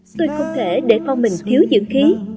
tôi không thể để con mình thiếu dưỡng khí